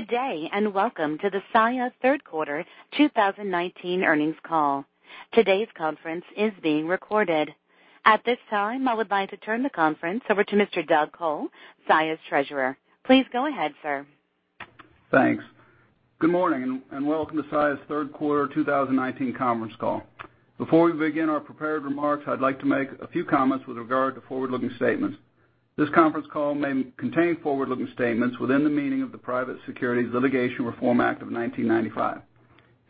Good day. Welcome to the Saia third quarter 2019 earnings call. Today's conference is being recorded. At this time, I would like to turn the conference over to Mr. Douglas Col, Saia's Treasurer. Please go ahead, sir. Thanks. Good morning, and welcome to Saia's third quarter 2019 conference call. Before we begin our prepared remarks, I'd like to make a few comments with regard to forward-looking statements. This conference call may contain forward-looking statements within the meaning of the Private Securities Litigation Reform Act of 1995.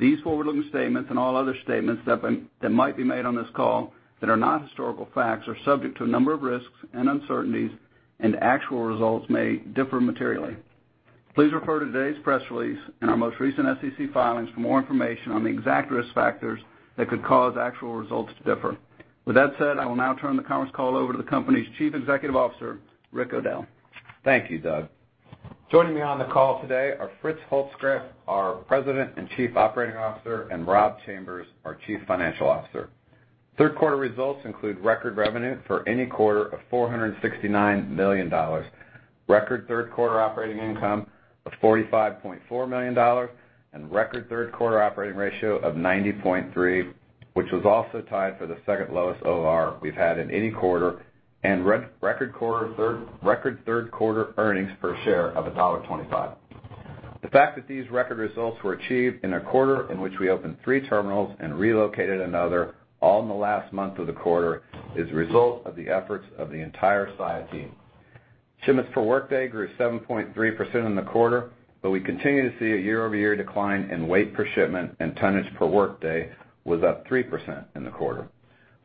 These forward-looking statements, and all other statements that might be made on this call that are not historical facts, are subject to a number of risks and uncertainties, and actual results may differ materially. Please refer to today's press release and our most recent SEC filings for more information on the exact risk factors that could cause actual results to differ. With that said, I will now turn the conference call over to the company's Chief Executive Officer, Rick O'Dell. Thank you, Doug. Joining me on the call today are Fritz Holzgrefe, our President and Chief Operating Officer, and Rob Chambers, our Chief Financial Officer. Third quarter results include record revenue for any quarter of $469 million, record third quarter operating income of $45.4 million, and record third quarter operating ratio of 90.3%, which was also tied for the second lowest OR we've had in any quarter, and record third quarter earnings per share of $1.25. The fact that these record results were achieved in a quarter in which we opened three terminals and relocated another, all in the last month of the quarter, is a result of the efforts of the entire Saia team. shipments per workday grew 7.3% in the quarter. We continue to see a year-over-year decline in weight per shipment and tonnage per workday was up 3% in the quarter.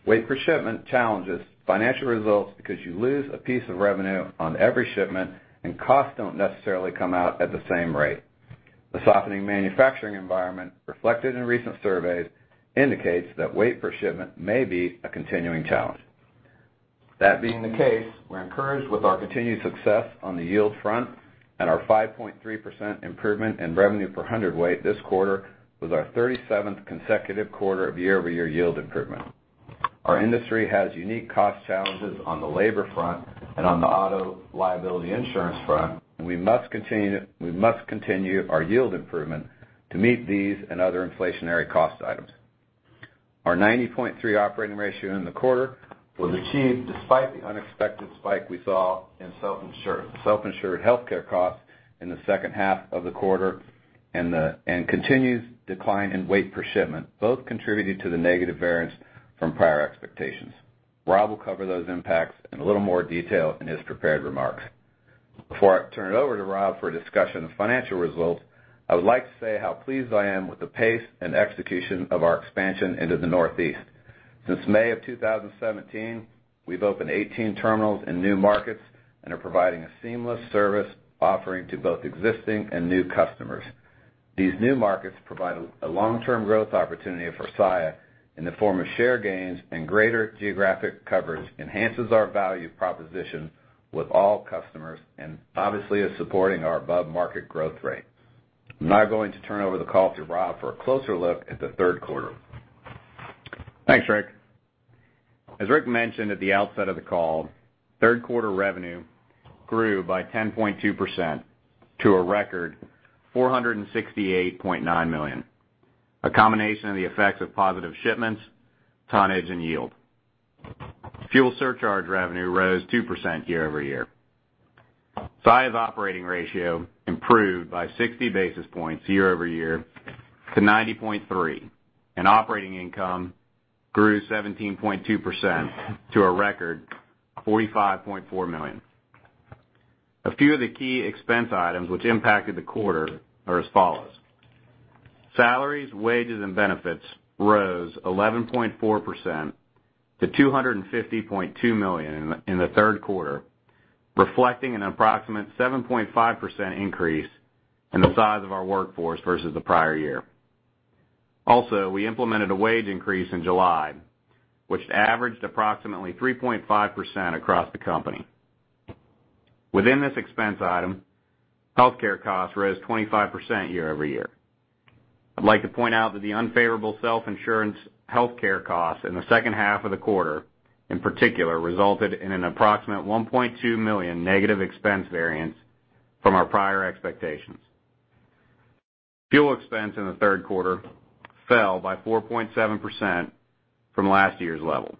Weight per shipment challenges financial results because you lose a piece of revenue on every shipment, and costs don't necessarily come out at the same rate. The softening manufacturing environment reflected in recent surveys indicates that weight per shipment may be a continuing challenge. That being the case, we're encouraged with our continued success on the yield front and our 5.3% improvement in revenue per hundredweight this quarter was our 37th consecutive quarter of year-over-year yield improvement. Our industry has unique cost challenges on the labor front and on the auto liability insurance front. We must continue our yield improvement to meet these and other inflationary cost items. Our 90.3 operating ratio in the quarter was achieved despite the unexpected spike we saw in self-insured healthcare costs in the second half of the quarter and the continued decline in weight per shipment, both contributing to the negative variance from prior expectations. Rob will cover those impacts in a little more detail in his prepared remarks. Before I turn it over to Rob for a discussion of financial results, I would like to say how pleased I am with the pace and execution of our expansion into the Northeast. Since May of 2017, we've opened 18 terminals in new markets and are providing a seamless service offering to both existing and new customers. These new markets provide a long-term growth opportunity for Saia in the form of share gains and greater geographic coverage, enhances our value proposition with all customers, and obviously is supporting our above-market growth rate. I'm now going to turn over the call to Rob for a closer look at the third quarter. Thanks, Rick. As Rick mentioned at the outset of the call, third quarter revenue grew by 10.2% to a record $468.9 million, a combination of the effects of positive shipments, tonnage, and yield. Fuel surcharge revenue rose 2% year-over-year. Saia's operating ratio improved by 60 basis points year-over-year to 90.3, and operating income grew 17.2% to a record $45.4 million. A few of the key expense items which impacted the quarter are as follows. Salaries, wages, and benefits rose 11.4% to $250.2 million in the third quarter, reflecting an approximate 7.5% increase in the size of our workforce versus the prior year. Also, we implemented a wage increase in July, which averaged approximately 3.5% across the company. Within this expense item, healthcare costs rose 25% year-over-year. I'd like to point out that the unfavorable self-insured healthcare costs in the second half of the quarter, in particular, resulted in an approximate $1.2 million negative expense variance from our prior expectations. Fuel expense in the third quarter fell by 4.7% from last year's level.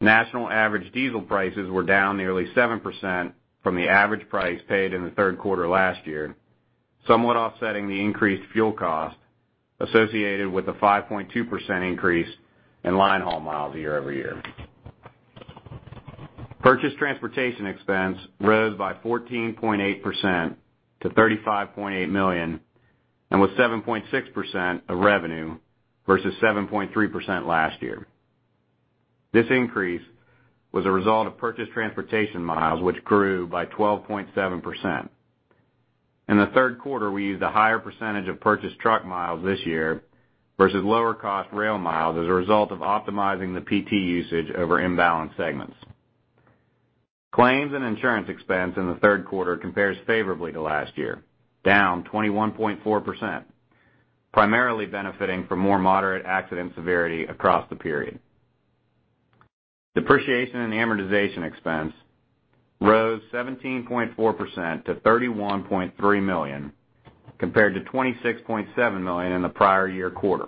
National average diesel prices were down nearly 7% from the average price paid in the third quarter last year, somewhat offsetting the increased fuel cost associated with the 5.2% increase in line haul miles year-over-year. Purchased transportation expense rose by 14.8% to $35.8 million, and was 7.6% of revenue versus 7.3% last year. This increase was a result of purchased transportation miles, which grew by 12.7%. In the third quarter, we used a higher percentage of purchased truck miles this year versus lower cost rail miles as a result of optimizing the PT usage over imbalanced segments. Claims and insurance expense in the third quarter compares favorably to last year, down 21.4%, primarily benefiting from more moderate accident severity across the period. Depreciation and amortization expense rose 17.4% to $31.3 million, compared to $26.7 million in the prior year quarter.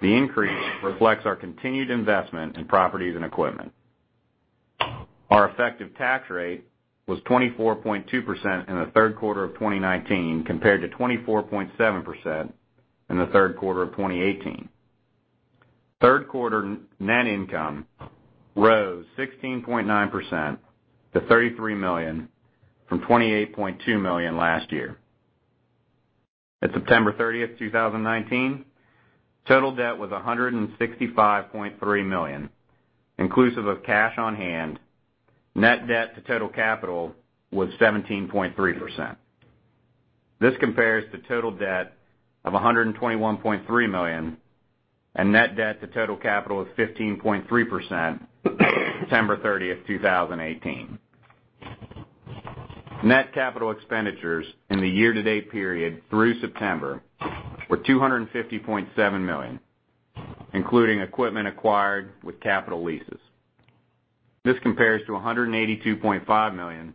The increase reflects our continued investment in properties and equipment. Our effective tax rate was 24.2% in the third quarter of 2019, compared to 24.7% in the third quarter of 2018. Third quarter net income rose 16.9% to $33 million from $28.2 million last year. At September thirtieth, 2019, total debt was $165.3 million, inclusive of cash on hand. Net debt to total capital was 17.3%. This compares to total debt of $121.3 million and net debt to total capital of 15.3% September 30, 2018. Net capital expenditures in the year-to-date period through September were $250.7 million, including equipment acquired with capital leases. This compares to $182.5 million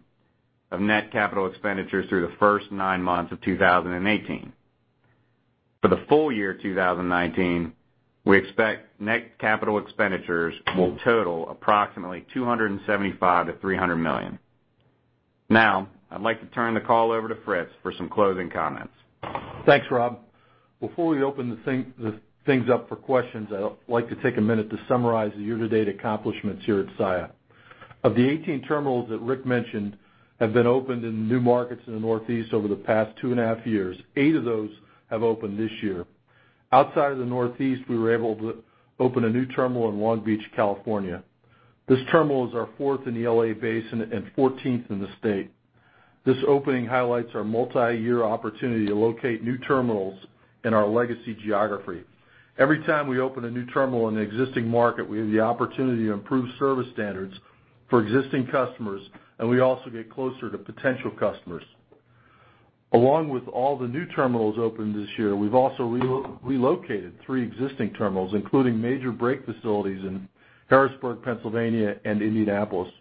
of net capital expenditures through the first nine months of 2018. For the full year 2019, we expect net capital expenditures will total approximately $275 million-$300 million. Now, I'd like to turn the call over to Fritz for some closing comments. Thanks, Rob. Before we open the things up for questions, I'd like to take a minute to summarize the year-to-date accomplishments here at Saia. Of the 18 terminals that Rick mentioned have been opened in new markets in the Northeast over the past two and a half years, eight of those have opened this year. Outside of the Northeast, we were able to open a new terminal in Long Beach, California. This terminal is our fourth in the L.A. basin and 14th in the state. This opening highlights our multi-year opportunity to locate new terminals in our legacy geography. Every time we open a new terminal in the existing market, we have the opportunity to improve service standards for existing customers, and we also get closer to potential customers. Along with all the new terminals opened this year, we've also relocated three existing terminals, including major break facilities in Harrisburg, Pennsylvania and Indianapolis.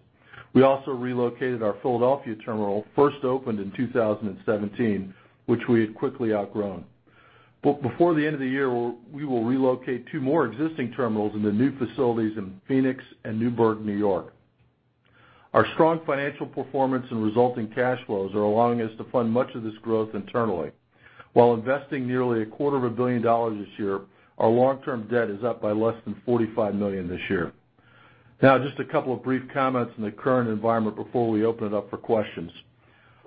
We also relocated our Philadelphia terminal, first opened in 2017, which we had quickly outgrown. But before the end of the year, we will relocate two more existing terminals in the new facilities in Phoenix and Newburgh, New York. Our strong financial performance and resulting cash flows are allowing us to fund much of this growth internally. While investing nearly a quarter of a billion dollars this year, our long-term debt is up by less than $45 million this year. Now, just a couple of brief comments in the current environment before we open it up for questions.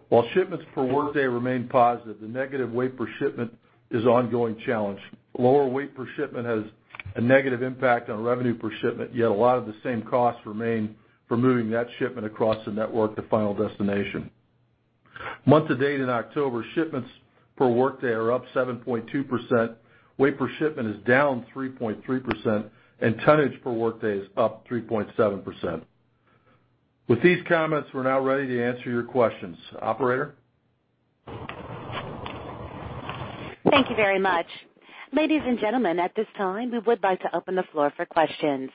While shipments per workday remain positive, the negative weight per shipment is an ongoing challenge. Lower weight per shipment has a negative impact on revenue per shipment, yet a lot of the same costs remain for moving that shipment across the network to final destination. Month-to-date in October, shipments per workday are up 7.2%, weight per shipment is down 3.3%, and tonnage per workday is up 3.7%. With these comments, we're now ready to answer your questions. Operator? Thank you very much. Ladies and gentlemen, at this time, we would like to open the floor for questions.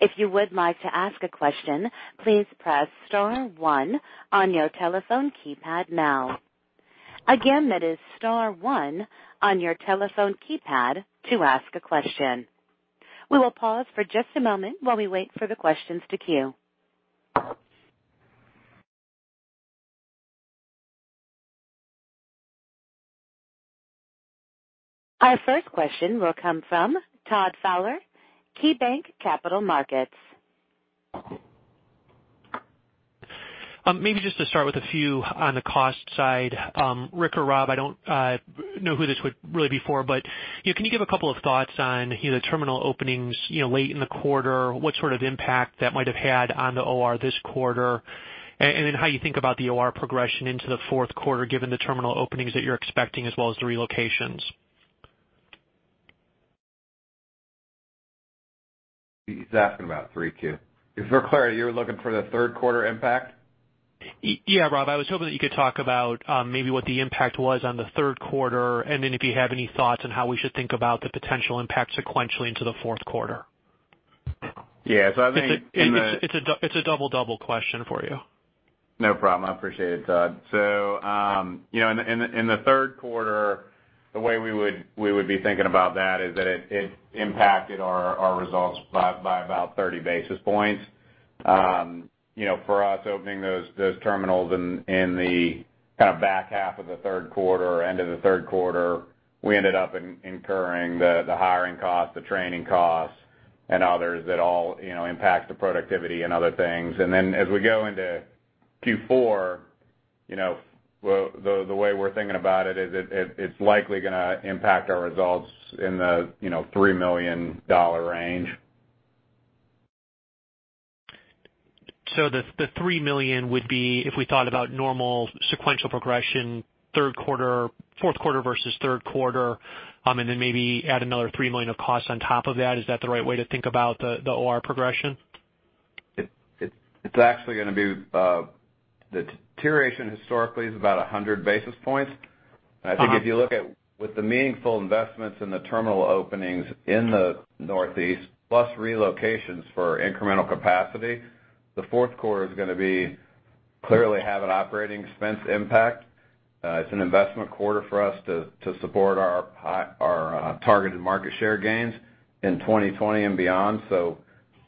If you would like to ask a question, please press star one on your telephone keypad now. Again, that is star one on your telephone keypad to ask a question. We will pause for just a moment while we wait for the questions to queue. Our first question will come from Todd Fowler, KeyBanc Capital Markets. Maybe just to start with a few on the cost side. Rick or Rob, I don't know who this would really be for, but can you give a couple of thoughts on the terminal openings late in the quarter, what sort of impact that might have had on the OR this quarter, and then how you think about the OR progression into the fourth quarter given the terminal openings that you're expecting as well as the relocations? He's asking about 3Q. For clarity, you're looking for the third quarter impact? Yeah, Rob. I was hoping that you could talk about maybe what the impact was on the third quarter, and then if you have any thoughts on how we should think about the potential impact sequentially into the fourth quarter. Yeah, I think in the. It's a double question for you. No problem. I appreciate it, Todd. In the third quarter, the way we would be thinking about that is that it impacted our results by about 30 basis points. For us, opening those terminals in the kind of back half of the third quarter or end of the third quarter, we ended up incurring the hiring cost, the training cost, and others that all impact the productivity and other things. As we go into Q4, the way we're thinking about it is it's likely going to impact our results in the $3 million range. The $3 million would be if we thought about normal sequential progression, fourth quarter versus third quarter, and then maybe add another $3 million of costs on top of that. Is that the right way to think about the OR progression? The deterioration historically is about 100 basis points. I think if you look at with the meaningful investments in the terminal openings in the Northeast, plus relocations for incremental capacity, the fourth quarter is going to clearly have an operating expense impact. It's an investment quarter for us to support our targeted market share gains in 2020 and beyond.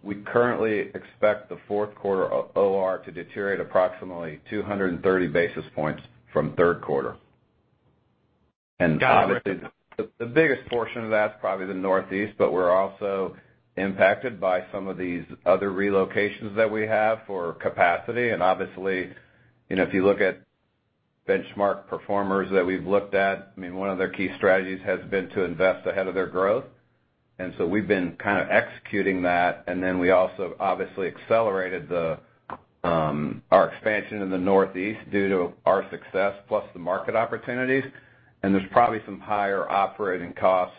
We currently expect the fourth quarter OR to deteriorate approximately 230 basis points from third quarter. Got it. The biggest portion of that is probably the Northeast, but we're also impacted by some of these other relocations that we have for capacity. Obviously, if you look at benchmark performers that we've looked at, one of their key strategies has been to invest ahead of their growth. So we've been kind of executing that, and then we also obviously accelerated our expansion in the Northeast due to our success plus the market opportunities. There's probably some higher operating costs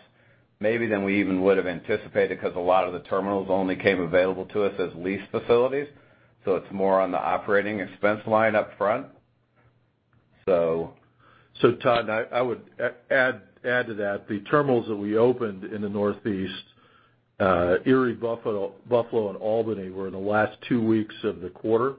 maybe than we even would have anticipated, because a lot of the terminals only came available to us as leased facilities. It's more on the operating expense line up front. Todd, I would add to that. The terminals that we opened in the Northeast, Erie, Buffalo, and Albany, were in the last two weeks of the quarter.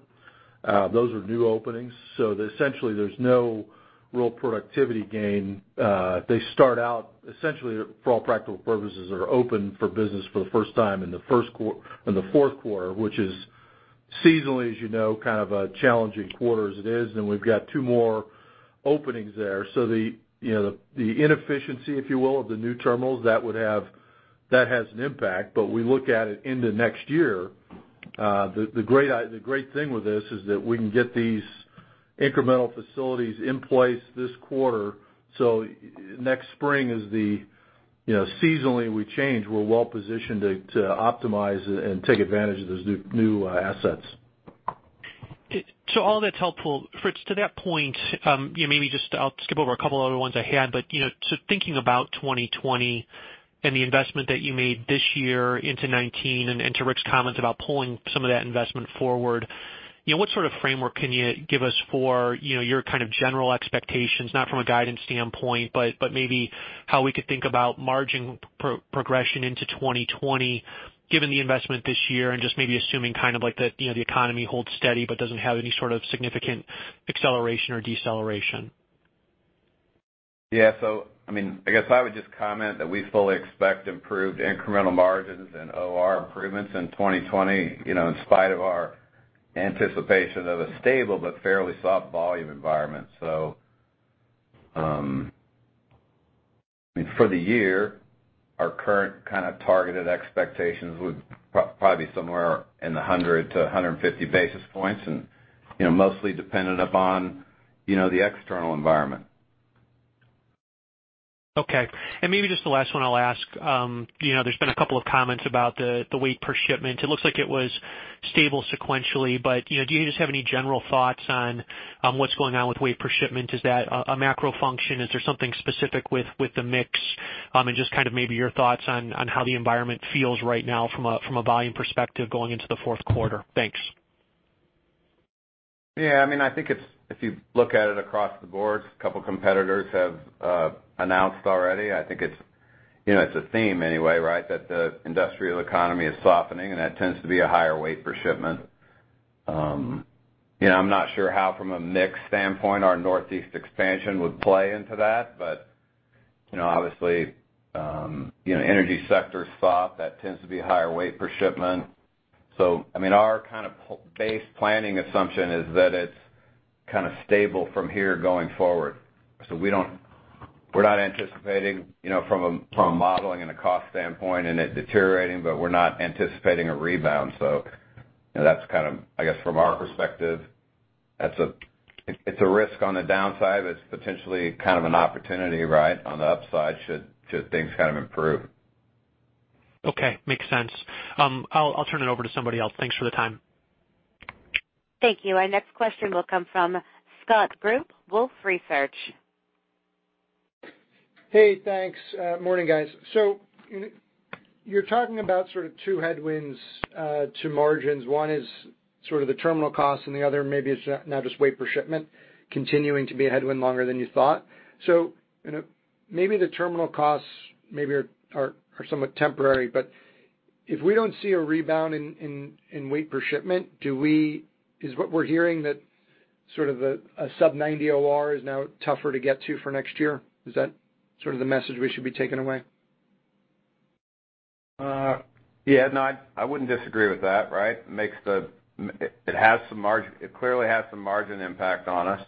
Those are new openings, essentially there's no real productivity gain. They start out, essentially, for all practical purposes, are open for business for the first time in the fourth quarter, which is seasonally, as you know, kind of a challenging quarter as it is. We've got two more openings there. The inefficiency, if you will, of the new terminals, that has an impact. We look at it into next year. The great thing with this is that we can get these incremental facilities in place this quarter, next spring is the seasonally we change. We're well-positioned to optimize and take advantage of those new assets. All that's helpful. Fritz, to that point, maybe just I'll skip over a couple of other ones I had. Thinking about 2020 and the investment that you made this year into 2019, and to Rick's comment about pulling some of that investment forward. What sort of framework can you give us for your kind of general expectations, not from a guidance standpoint, but maybe how we could think about margin progression into 2020, given the investment this year and just maybe assuming kind of the economy holds steady but doesn't have any sort of significant acceleration or deceleration? I guess I would just comment that we fully expect improved incremental margins and OR improvements in 2020, in spite of our anticipation of a stable but fairly soft volume environment. For the year, our current kind of targeted expectations would probably be somewhere in the 100 to 150 basis points and mostly dependent upon the external environment. Okay. Maybe just the last one I'll ask. There's been a couple of comments about the weight per shipment. It looks like it was stable sequentially, but do you just have any general thoughts on what's going on with weight per shipment? Is that a macro function? Is there something specific with the mix? Just kind of maybe your thoughts on how the environment feels right now from a volume perspective going into the fourth quarter. Thanks. Yeah. I think if you look at it across the board, a couple competitors have announced already. I think it's a theme anyway, right? The industrial economy is softening, and that tends to be a higher weight per shipment. I'm not sure how, from a mix standpoint, our Northeast expansion would play into that, obviously, energy sector's soft. That tends to be a higher weight per shipment. Our kind of base planning assumption is that it's kind of stable from here going forward. We're not anticipating, from a modeling and a cost standpoint, it deteriorating, we're not anticipating a rebound. That's, I guess from our perspective, it's a risk on the downside, it's potentially kind of an opportunity, right, on the upside should things kind of improve. Okay. Makes sense. I'll turn it over to somebody else. Thanks for the time. Thank you. Our next question will come from Scott Group, Wolfe Research. Hey, thanks. Morning, guys. You're talking about sort of two headwinds to margins. One is sort of the terminal cost, and the other maybe is now just weight per shipment continuing to be a headwind longer than you thought. Maybe the terminal costs maybe are somewhat temporary, but if we don't see a rebound in weight per shipment, is what we're hearing that sort of a sub 90 OR is now tougher to get to for next year? Is that sort of the message we should be taking away? Yeah. No, I wouldn't disagree with that, right? It clearly has some margin impact on us.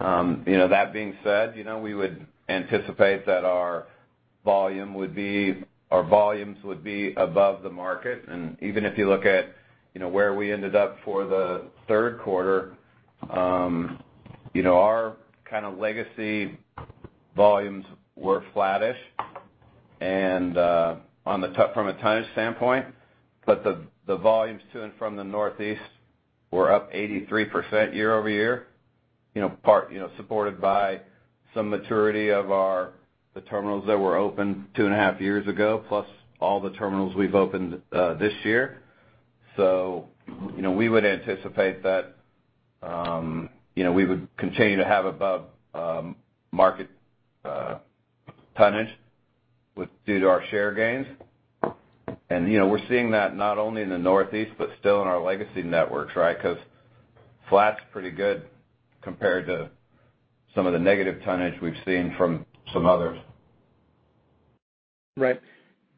That being said, we would anticipate that our volumes would be above the market. Even if you look at where we ended up for the third quarter, our kind of legacy volumes were flattish from a tonnage standpoint, but the volumes to and from the Northeast were up 83% year-over-year. Supported by some maturity of the terminals that were opened two and a half years ago, plus all the terminals we've opened this year. We would anticipate that we would continue to have above market tonnage due to our share gains. We're seeing that not only in the Northeast but still in our legacy networks, right? Because flat's pretty good compared to some of the negative tonnage we've seen from some others. Right.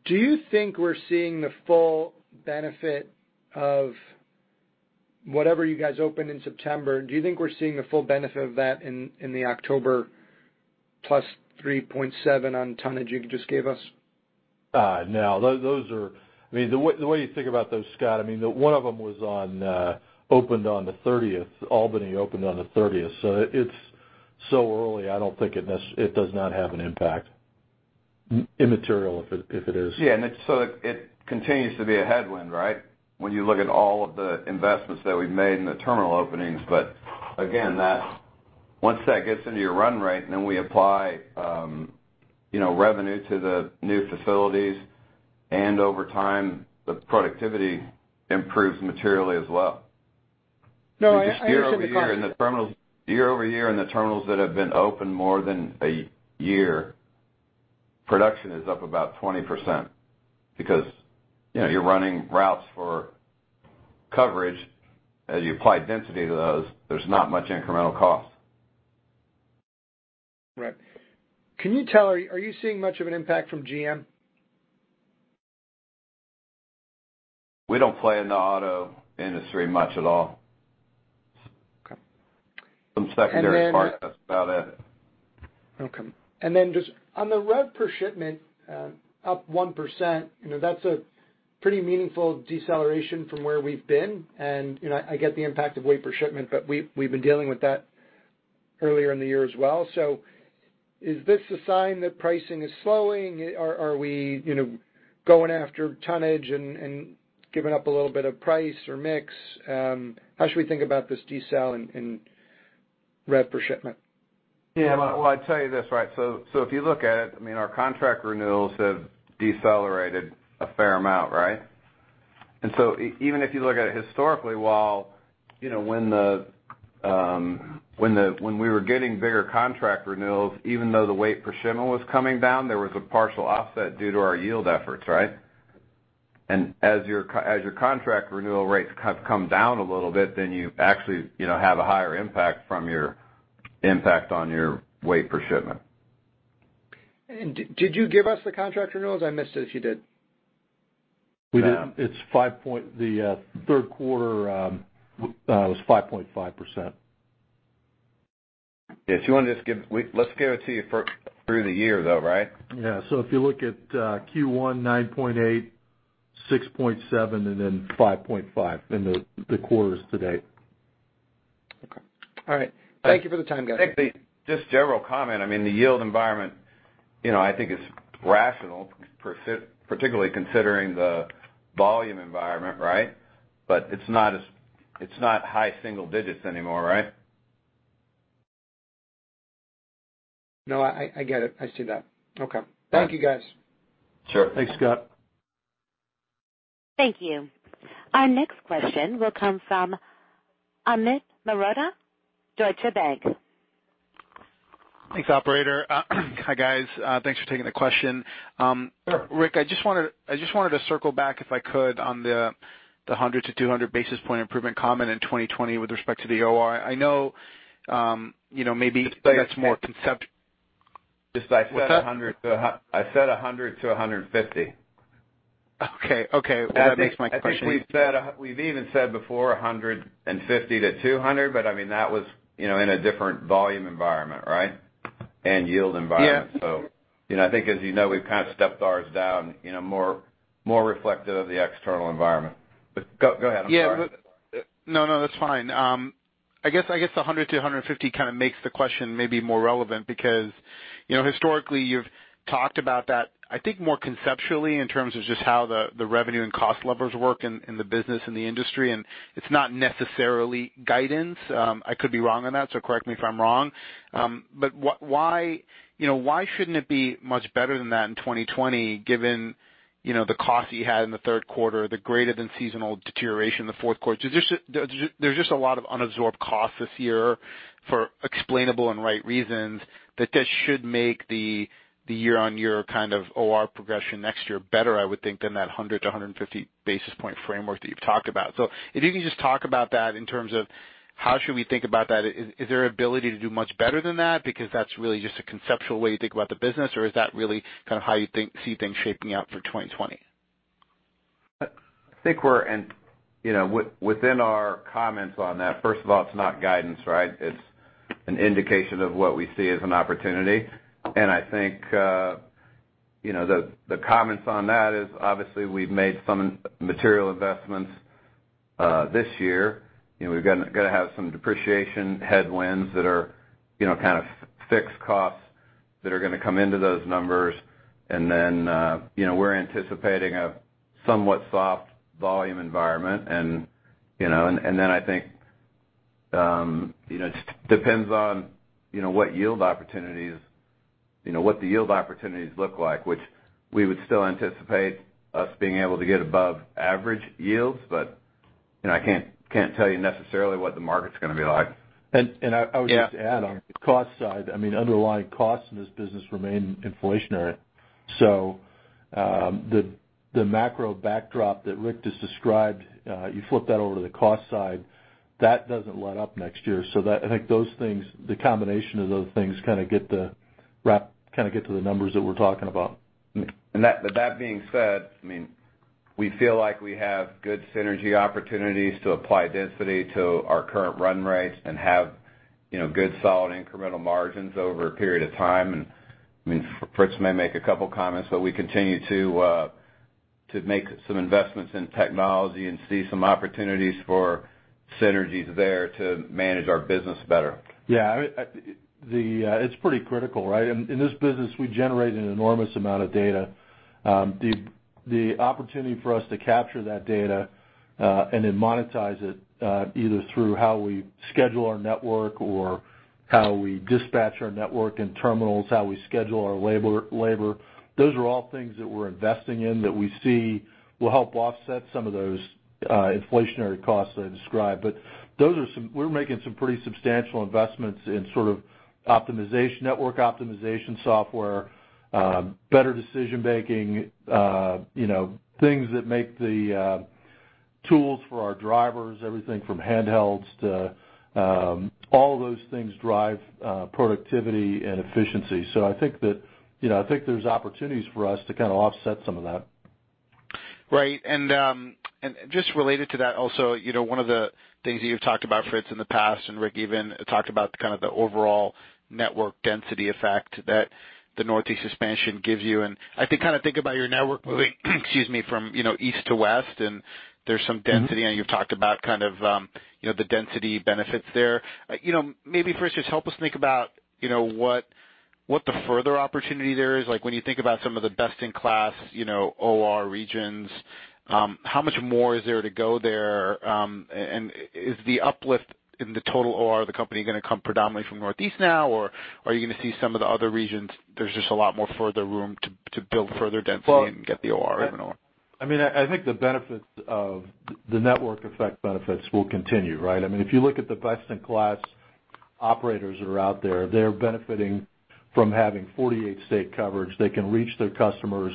Do you think we're seeing the full benefit of whatever you guys opened in September? Do you think we're seeing the full benefit of that in the October plus 3.7 on tonnage you just gave us? No. The way you think about those, Scott, one of them opened on the 30th. Albany opened on the 30th. It's so early, it does not have an impact. Immaterial, if it is. Yeah. It continues to be a headwind, right? When you look at all of the investments that we've made in the terminal openings. Again, once that gets into your run rate, and then we apply revenue to the new facilities, and over time, the productivity improves materially as well. No, I understand. Year-over-year in the terminals that have been open more than a year, production is up about 20% because you're running routes for coverage. As you apply density to those, there's not much incremental cost. Right. Are you seeing much of an impact from GM? We don't play in the auto industry much at all. Okay. Some secondary parts. That's about it. Okay. Just on the rev per shipment, up 1%, that's a pretty meaningful deceleration from where we've been. I get the impact of weight per shipment. We've been dealing with that earlier in the year as well. Is this a sign that pricing is slowing? Are we going after tonnage and giving up a little bit of price or mix? How should we think about this decel in rev per shipment? Well, I'd tell you this, right? If you look at it, our contract renewals have decelerated a fair amount, right? Even if you look at it historically, when we were getting bigger contract renewals, even though the weight per shipment was coming down, there was a partial offset due to our yield efforts, right? As your contract renewal rates come down a little bit, you actually have a higher impact from your impact on your weight per shipment. Did you give us the contract renewals? I missed it if you did. We did. The third quarter was 5.5%. Yes. Let's give it to you through the year, though, right? Yeah. If you look at Q1 9.8%, 6.7%, and then 5.5% in the quarters to date. Okay. All right. Thank you for the time, guys. Just general comment. The yield environment, I think is rational, particularly considering the volume environment, right? It's not high single digits anymore, right? No, I get it. I see that. Okay. Thank you, guys. Sure. Thanks, Scott. Thank you. Our next question will come from Amit Mehrotra, Deutsche Bank. Thanks, operator. Hi guys, thanks for taking the question. Rick, I just wanted to circle back if I could, on the 100 to 200 basis point improvement comment in 2020 with respect to the OR. I know, maybe that's more concept. Just I said. What's that? I said 100 to 150. Okay. Well, that makes my question. I think we've even said before, 150-200, That was in a different volume environment, right? Yield environment. Yeah. I think as you know, we've kind of stepped ours down, more reflective of the external environment. Go ahead, I'm sorry. Yeah. No, that's fine. I guess the 100 to 150 kind of makes the question maybe more relevant because historically you've talked about that, I think more conceptually in terms of just how the revenue and cost levers work in the business and the industry, and it's not necessarily guidance. Correct me if I'm wrong. Why shouldn't it be much better than that in 2020 given the cost you had in the third quarter, the greater than seasonal deterioration in the fourth quarter? There's just a lot of unabsorbed cost this year for explainable and right reasons that this should make the year-over-year kind of OR progression next year better, I would think, than that 100-150 basis points framework that you've talked about. If you could just talk about that in terms of how should we think about that? Is there ability to do much better than that because that's really just a conceptual way to think about the business, or is that really how you see things shaping out for 2020? Within our comments on that, first of all, it's not guidance, right? It's an indication of what we see as an opportunity. I think the comments on that is obviously we've made some material investments this year. We're going to have some depreciation headwinds that are kind of fixed costs that are going to come into those numbers. Then we're anticipating a somewhat soft volume environment. Then I think it just depends on what the yield opportunities look like, which we would still anticipate us being able to get above average yields. I can't tell you necessarily what the market's going to be like. I would just add on the cost side, underlying costs in this business remain inflationary. The macro backdrop that Rick just described, you flip that over to the cost side, that doesn't let up next year. I think the combination of those things kind of get to the numbers that we're talking about. That being said, we feel like we have good synergy opportunities to apply density to our current run rates and have good solid incremental margins over a period of time. Fritz may make a couple comments, but we continue to make some investments in technology and see some opportunities for synergies there to manage our business better. Yeah. It's pretty critical, right? In this business, we generate an enormous amount of data. The opportunity for us to capture that data and then monetize it, either through how we schedule our network or how we dispatch our network and terminals, how we schedule our labor, those are all things that we're investing in that we see will help offset some of those inflationary costs that I described. We're making some pretty substantial investments in sort of network optimization software, better decision making, things that make the tools for our drivers, everything from handhelds to all of those things drive productivity and efficiency. I think there's opportunities for us to kind of offset some of that. Right. Just related to that also, one of the things that you've talked about, Fritz, in the past, and Rick even talked about kind of the overall network density effect that the Northeast expansion gives you, and I kind of think about your network moving from east to west, and there's some density, and you've talked about kind of the density benefits there. Maybe, Fritz, just help us think about what the further opportunity there is, like when you think about some of the best in class OR regions, how much more is there to go there? Is the uplift in the total OR of the company going to come predominantly from Northeast now, or are you going to see some of the other regions, there's just a lot more further room to build further density and get the OR even more? I think the network effect benefits will continue, right? If you look at the best in class operators that are out there, they are benefiting from having 48 state coverage. They can reach their customers.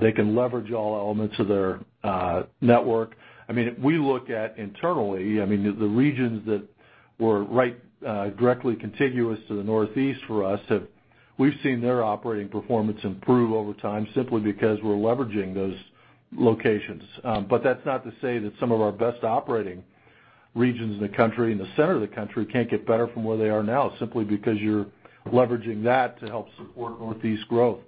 They can leverage all elements of their network. If we look at internally, the regions that were right directly contiguous to the Northeast for us, we've seen their operating performance improve over time simply because we're leveraging those locations. That's not to say that some of our best operating regions in the country, in the center of the country, can't get better from where they are now, simply because you're leveraging that to help support Northeast growth.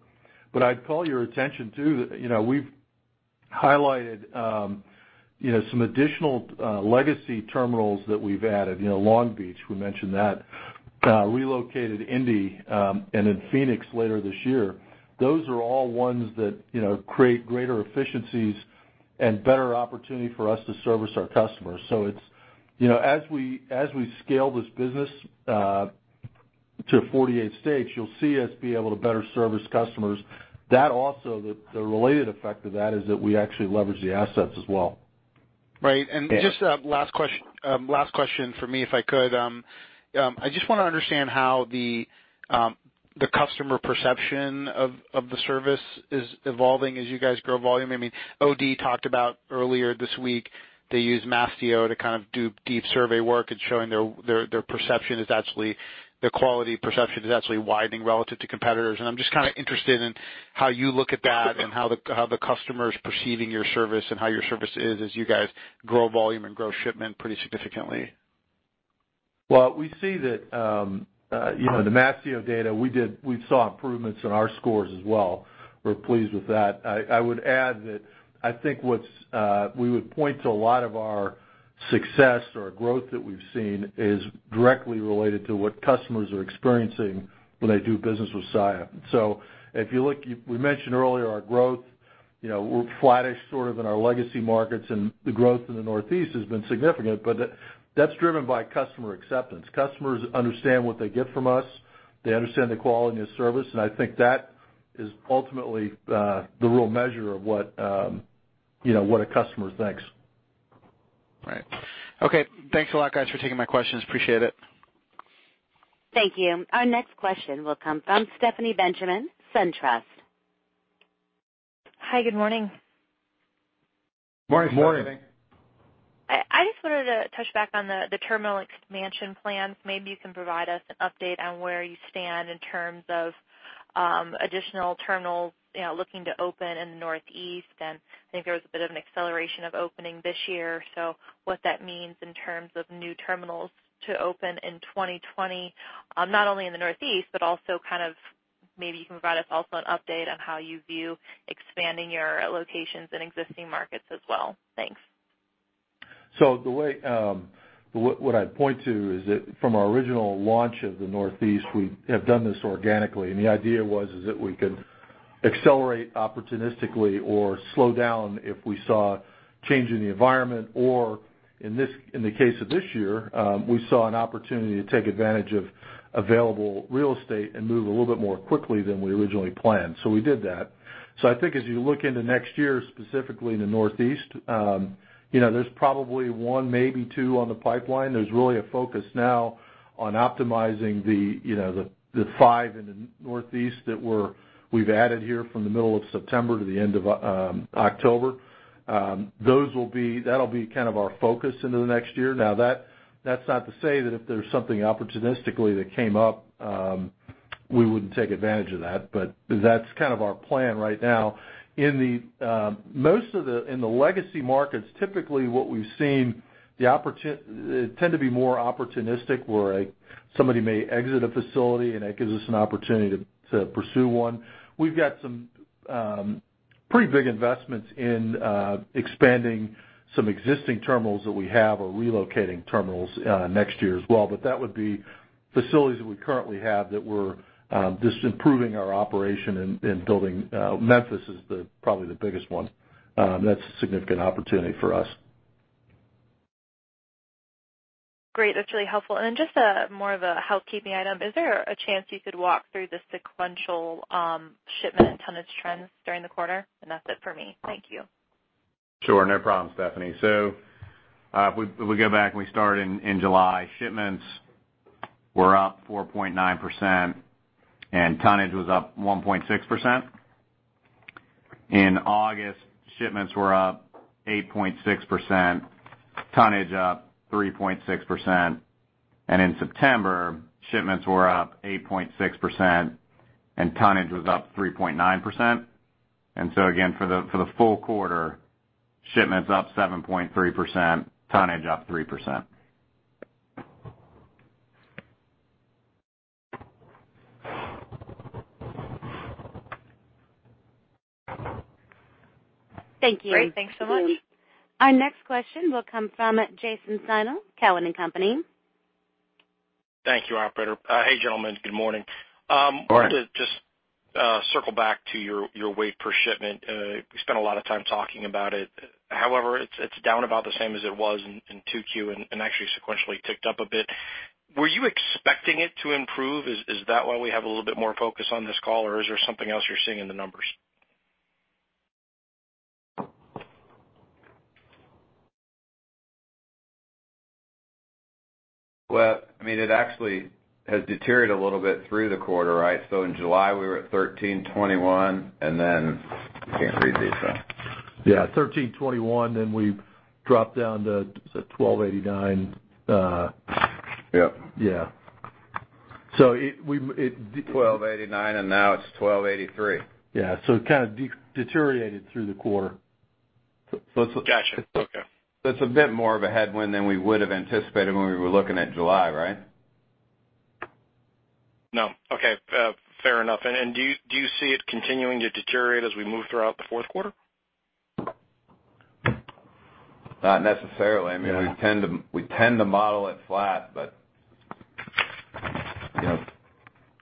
I'd call your attention to, we've highlighted some additional legacy terminals that we've added. Long Beach, we mentioned that. Relocated Indy, and then Phoenix later this year. Those are all ones that create greater efficiencies and better opportunity for us to service our customers. As we scale this business to 48 states, you'll see us be able to better service customers. The related effect of that is that we actually leverage the assets as well. Right. Just last question from me, if I could. I just want to understand how the customer perception of the service is evolving as you guys grow volume. OD talked about earlier this week, they use Mastio to kind of do deep survey work and showing their quality perception is actually widening relative to competitors. I'm just kind of interested in how you look at that and how the customer is perceiving your service and how your service is as you guys grow volume and grow shipment pretty significantly. Well, we see that the Mastio data, we saw improvements in our scores as well. We're pleased with that. I would add that I think we would point to a lot of our success or growth that we've seen is directly related to what customers are experiencing when they do business with Saia. If you look, we mentioned earlier our growth, we're flattish sort of in our legacy markets, and the growth in the Northeast has been significant, but that's driven by customer acceptance. Customers understand what they get from us. They understand the quality of service, and I think that is ultimately the real measure of what a customer thinks. Right. Okay. Thanks a lot, guys, for taking my questions. Appreciate it. Thank you. Our next question will come from Stephanie Benjamin, SunTrust. Hi. Good morning. Morning, Stephanie. Morning. I just wanted to touch back on the terminal expansion plans. Maybe you can provide us an update on where you stand in terms of additional terminals looking to open in the Northeast, and I think there was a bit of an acceleration of opening this year. What that means in terms of new terminals to open in 2020, not only in the Northeast, but also kind of maybe you can provide us also an update on how you view expanding your locations in existing markets as well. Thanks. What I'd point to is that from our original launch of the Northeast, we have done this organically. The idea was that we could accelerate opportunistically or slow down if we saw a change in the environment or, in the case of this year, we saw an opportunity to take advantage of available real estate and move a little bit more quickly than we originally planned. We did that. I think as you look into next year, specifically in the Northeast, there's probably one, maybe two on the pipeline. There's really a focus now on optimizing the five in the Northeast that we've added here from the middle of September to the end of October. That'll be kind of our focus into the next year. That's not to say that if there's something opportunistically that came up, we wouldn't take advantage of that. That's kind of our plan right now. In the legacy markets, typically what we've seen, they tend to be more opportunistic where somebody may exit a facility, and that gives us an opportunity to pursue one. We've got some pretty big investments in expanding some existing terminals that we have or relocating terminals next year as well. That would be facilities that we currently have that we're just improving our operation and building. Memphis is probably the biggest one. That's a significant opportunity for us. Great. That's really helpful. Just more of a housekeeping item. Is there a chance you could walk through the sequential shipment and tonnage trends during the quarter? That's it for me. Thank you. Sure. No problem, Stephanie. If we go back and we start in July, shipments were up 4.9%, and tonnage was up 1.6%. In August, shipments were up 8.6%, tonnage up 3.6%. In September, shipments were up 8.6%, and tonnage was up 3.9%. Again, for the full quarter, shipments up 7.3%, tonnage up 3%. Thank you. Great. Thanks so much. Our next question will come from Jason Seidl, Cowen and Company. Thank you, operator. Hey, gentlemen. Good morning. Good morning. I wanted to just circle back to your weight per shipment. We spent a lot of time talking about it. However, it's down about the same as it was in two Q, and actually sequentially ticked up a bit. Were you expecting it to improve? Is that why we have a little bit more focus on this call, or is there something else you're seeing in the numbers? It actually has deteriorated a little bit through the quarter, right? In July, we were at $1,321. I can't read these. Yeah, 1321, then we dropped down to 1289. Yep. Yeah. 1289, and now it's 1283. Yeah. It kind of deteriorated through the quarter. Got you. Okay. That's a bit more of a headwind than we would have anticipated when we were looking at July, right? No. Okay. Fair enough. Do you see it continuing to deteriorate as we move throughout the fourth quarter? Not necessarily. We tend to model it flat, but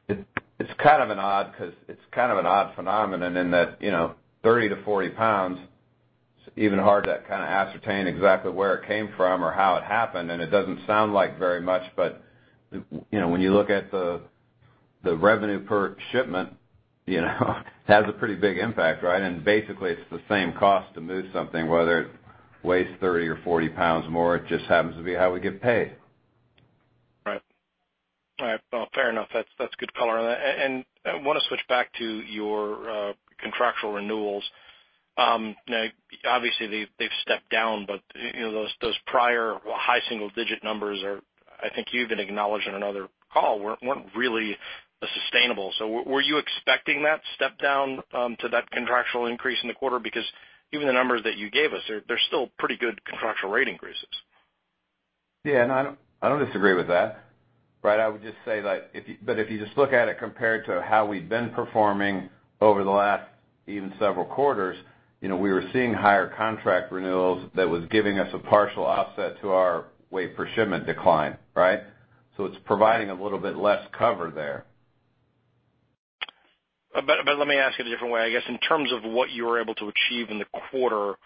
it's kind of an odd phenomenon in that 30 to 40 pounds, it's even hard to kind of ascertain exactly where it came from or how it happened, and it doesn't sound like very much, but when you look at the revenue per shipment, it has a pretty big impact, right? Basically, it's the same cost to move something, whether it weighs 30 or 40 pounds more. It just happens to be how we get paid. Right. Fair enough. That's good color on that. I want to switch back to your contractual renewals. Now, obviously, they've stepped down, but those prior high single-digit numbers are, I think you even acknowledged in another call, weren't really sustainable. Were you expecting that step down to that contractual increase in the quarter? Because even the numbers that you gave us, they're still pretty good contractual rate increases. Yeah. I don't disagree with that. I would just say that, if you just look at it compared to how we've been performing over the last even several quarters, we were seeing higher contract renewals that was giving us a partial offset to our weight per shipment decline. It's providing a little bit less cover there. Let me ask it a different way. I guess in terms of what you were able to achieve in the quarter,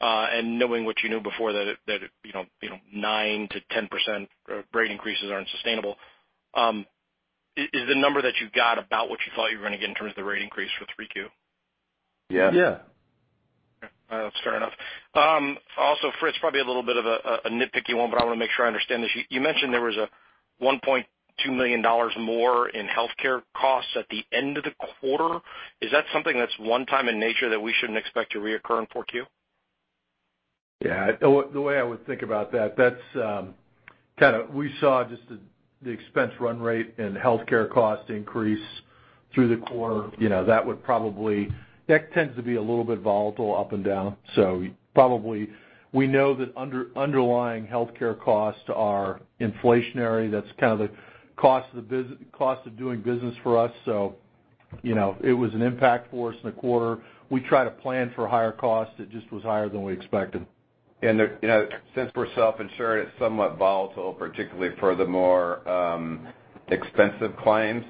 and knowing what you knew before that 9% to 10% rate increases aren't sustainable, is the number that you got about what you thought you were going to get in terms of the rate increase for three Q? Yeah. Yeah. That's fair enough. Also, Fritz, probably a little bit of a nitpicky one, but I want to make sure I understand this. You mentioned there was a $1.2 million more in healthcare costs at the end of the quarter. Is that something that's one time in nature that we shouldn't expect to reoccur in 4Q? Yeah. The way I would think about that, we saw just the expense run rate and healthcare cost increase through the quarter. That tends to be a little bit volatile up and down. Probably we know that underlying healthcare costs are inflationary. That's kind of the cost of doing business for us. It was an impact for us in the quarter. We try to plan for higher costs. It just was higher than we expected. Since we're self-insured, it's somewhat volatile, particularly for the more expensive claims.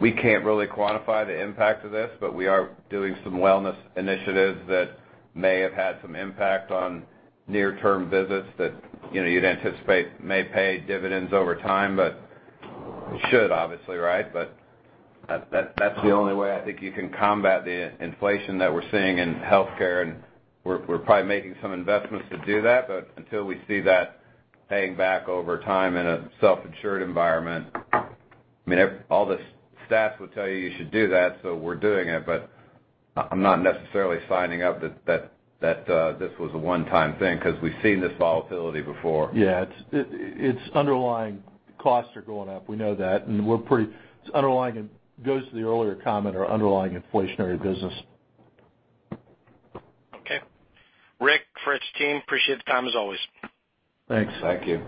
We can't really quantify the impact of this, but we are doing some wellness initiatives that may have had some impact on near-term visits that you'd anticipate may pay dividends over time, but should obviously, right? That's the only way I think you can combat the inflation that we're seeing in healthcare, and we're probably making some investments to do that, but until we see that paying back over time in a self-insured environment. All the stats will tell you you should do that, so we're doing it, but I'm not necessarily signing up that this was a one-time thing, because we've seen this volatility before. Yeah. Its underlying costs are going up. We know that. It goes to the earlier comment, our underlying inflationary business. Okay. Rick, Fritz team, appreciate the time as always. Thanks. Thank you.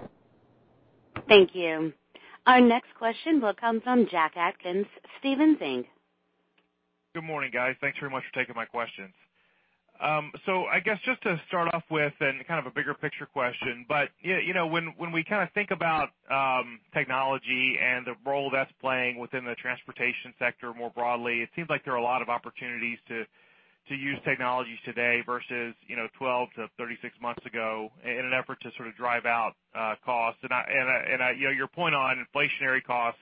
Thank you. Our next question will come from Jack Atkins, Stephens Inc. Good morning, guys. Thanks very much for taking my questions. I guess just to start off with kind of a bigger picture question, when we think about technology and the role that's playing within the transportation sector more broadly, it seems like there are a lot of opportunities to use technologies today versus, 12-36 months ago in an effort to sort of drive out costs. Your point on inflationary costs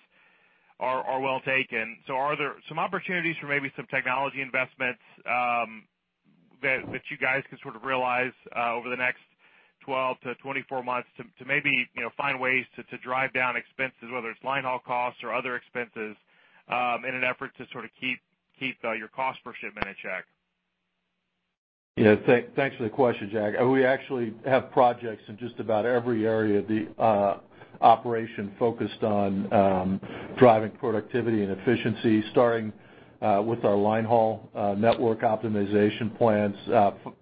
are well taken. Are there some opportunities for maybe some technology investments that you guys can sort of realize over the next 12-24 months to maybe find ways to drive down expenses, whether it's line haul costs or other expenses, in an effort to sort of keep your cost per shipment in check? Yeah. Thanks for the question, Jack. We actually have projects in just about every area. The operation focused on driving productivity and efficiency, starting with our line haul network optimization plans,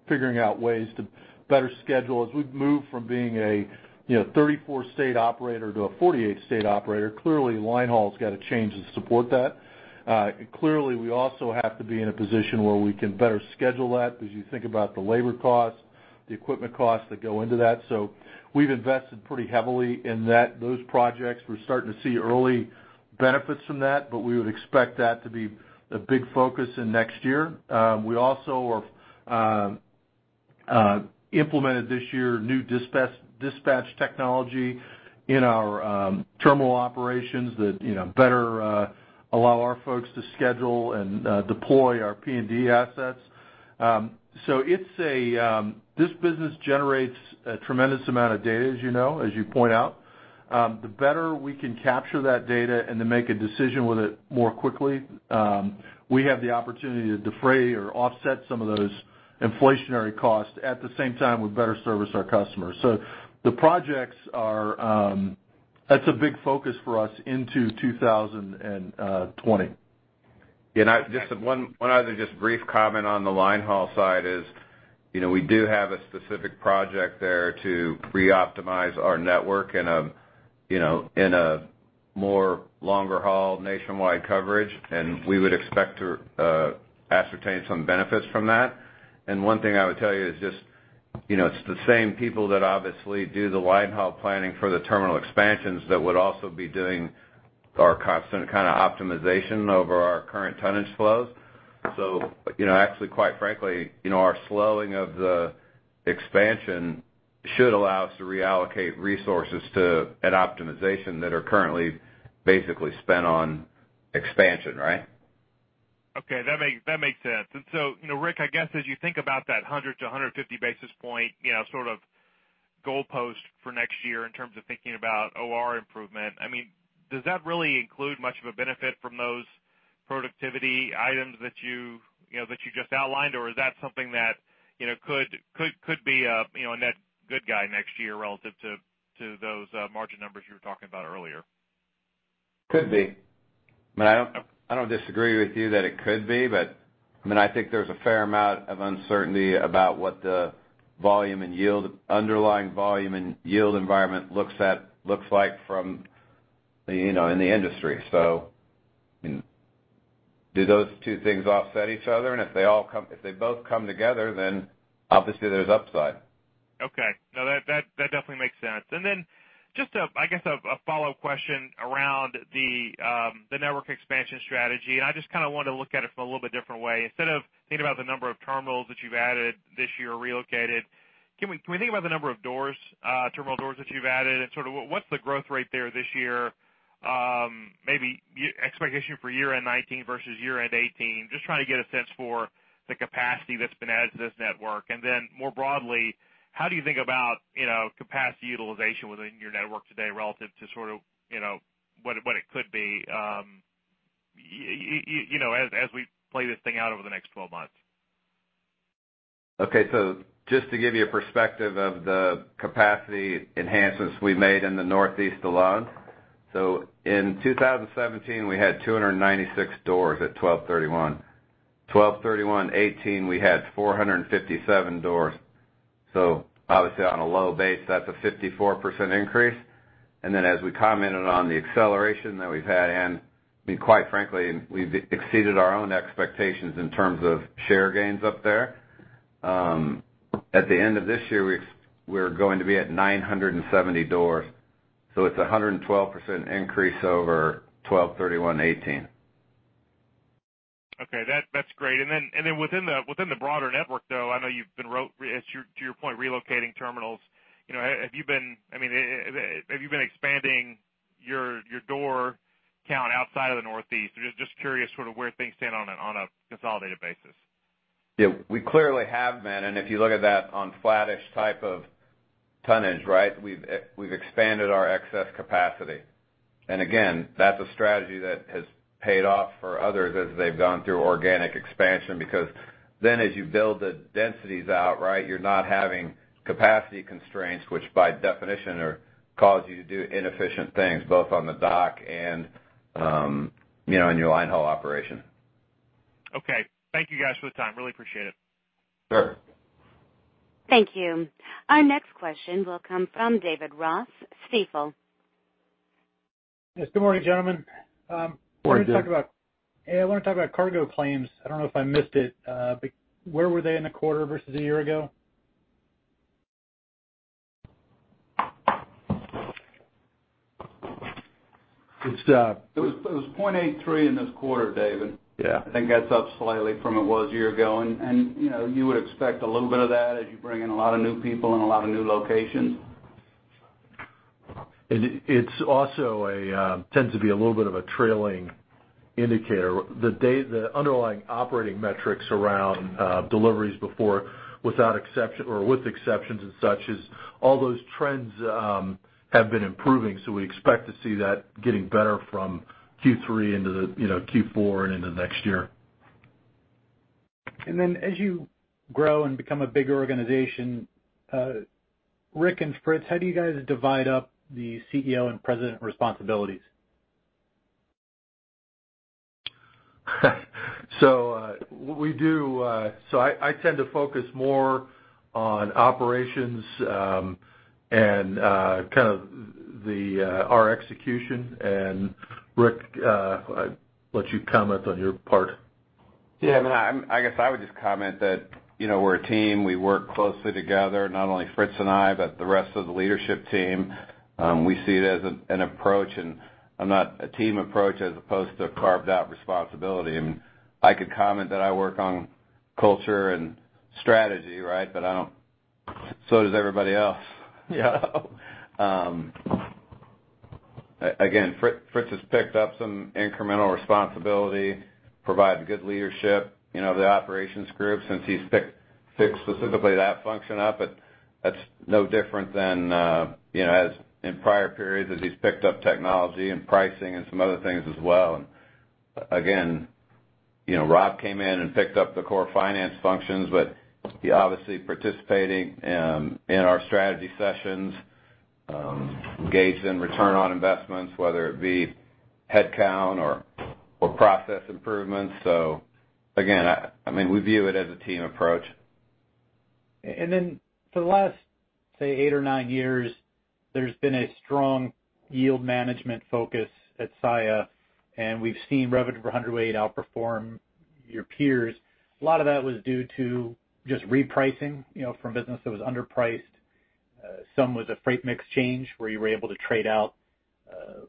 figuring out ways to better schedule as we've moved from being a 34-state operator to a 48-state operator. Line haul's got to change to support that. We also have to be in a position where we can better schedule that because you think about the labor costs, the equipment costs that go into that. We've invested pretty heavily in those projects. We're starting to see early benefits from that, we would expect that to be a big focus in next year. We also have implemented this year new dispatch technology in our terminal operations that better allow our folks to schedule and deploy our P&D assets. This business generates a tremendous amount of data as you know, as you point out. The better we can capture that data and to make a decision with it more quickly, we have the opportunity to defray or offset some of those inflationary costs. At the same time, we better service our customers. That's a big focus for us into 2020. Yeah. One other just brief comment on the line haul side is, we do have a specific project there to re-optimize our network in a more longer haul nationwide coverage. We would expect to ascertain some benefits from that. One thing I would tell you is just, it's the same people that obviously do the line haul planning for the terminal expansions that would also be doing our constant optimization over our current tonnage flows. Actually, quite frankly, our slowing of the expansion should allow us to reallocate resources at optimization that are currently basically spent on expansion, right? Okay. That makes sense. Rick, I guess as you think about that 100 to 150 basis point goal post for next year in terms of thinking about OR improvement, does that really include much of a benefit from those productivity items that you just outlined, or is that something that could be a net good guy next year relative to those margin numbers you were talking about earlier? Could be. I don't disagree with you that it could be, but I think there's a fair amount of uncertainty about what the underlying volume and yield environment looks like in the industry. Do those two things offset each other? If they both come together, obviously there's upside. Okay. No, that definitely makes sense. Just, I guess, a follow-up question around the network expansion strategy, and I just want to look at it from a little bit different way. Instead of thinking about the number of terminals that you've added this year or relocated, can we think about the number of terminal doors that you've added and what's the growth rate there this year? Maybe expectation for year-end 2019 versus year-end 2018. Just trying to get a sense for the capacity that's been added to this network. More broadly, how do you think about capacity utilization within your network today relative to what it could be as we play this thing out over the next 12 months? Okay. Just to give you a perspective of the capacity enhancements we made in the Northeast alone. In 2017, we had 296 doors at 12/31. 12/31/2018, we had 457 doors. Obviously on a low base, that's a 54% increase. As we commented on the acceleration that we've had, and quite frankly, we've exceeded our own expectations in terms of share gains up there. At the end of this year, we're going to be at 970 doors. It's a 112% increase over 12/31/2018. Okay. That's great. Within the broader network, though, I know you've been, to your point, relocating terminals. Have you been expanding your door count outside of the Northeast? Just curious sort of where things stand on a consolidated basis. We clearly have been, if you look at that on flattish type of tonnage, right, we've expanded our excess capacity. Again, that's a strategy that has paid off for others as they've gone through organic expansion, because as you build the densities out, right, you're not having capacity constraints, which by definition cause you to do inefficient things both on the dock and in your line haul operation. Okay. Thank you guys for the time. Really appreciate it. Sure. Thank you. Our next question will come from David Ross, Stifel. Yes, good morning, gentlemen. Morning, David. I want to talk about cargo claims. I don't know if I missed it, but where were they in the quarter versus a year ago? It was 0.83 in this quarter, David. Yeah. I think that's up slightly from it was a year ago, and you would expect a little bit of that as you bring in a lot of new people and a lot of new locations. It also tends to be a little bit of a trailing indicator. The underlying operating metrics around deliveries before with exceptions and such is all those trends have been improving. We expect to see that getting better from Q3 into Q4 and into next year. As you grow and become a bigger organization, Rick and Fritz, how do you guys divide up the CEO and President responsibilities? I tend to focus more on operations, and kind of our execution, and Rick, I'll let you comment on your part. I guess I would just comment that we're a team. We work closely together, not only Fritz and I, but the rest of the leadership team. We see it as an approach, a team approach as opposed to a carved-out responsibility. I could comment that I work on culture and strategy, but so does everybody else. Again, Fritz has picked up some incremental responsibility, provided good leadership of the operations group since he's picked specifically that function up, but that's no different than in prior periods as he's picked up technology and pricing and some other things as well. Again, Rob came in and picked up the core finance functions, but he obviously participating in our strategy sessions, engaged in return on investments, whether it be headcount or process improvements. Again, we view it as a team approach. For the last, say, eight or nine years, there's been a strong yield management focus at Saia, and we've seen revenue per hundredweight outperform your peers. A lot of that was due to just repricing from business that was underpriced. Some was a freight mix change where you were able to trade out